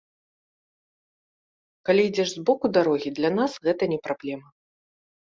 Калі ідзеш збоку дарогі, для нас гэта не праблема.